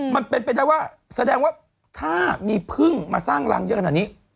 มันเป็นไปได้ว่าแสดงว่าถ้ามีพึ่งมาสร้างรังเยอะขนาดนี้